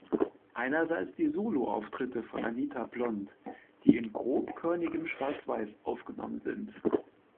Einerseits die Soloauftritte von Anita Blond, die in grobkörnigem Schwarzweiß aufgenommen sind.